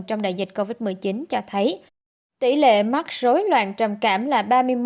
trong đại dịch covid một mươi chín cho thấy tỷ lệ mắc rối loạn trầm cảm là ba mươi một chín